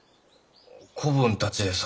子分たちでさ。